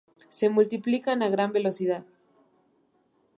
Se multiplican a gran velocidad.